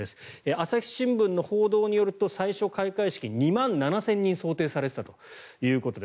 朝日新聞の報道によると最初、開会式２万７０００人を想定されていたということです。